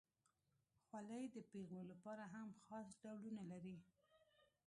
خولۍ د پیغلو لپاره هم خاص ډولونه لري.